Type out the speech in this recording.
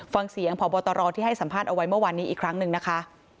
ฟังเสียงพบตรที่ให้สัมภาษณ์เอาไว้เมื่อวานนี้อีกครั้งหนึ่งนะคะ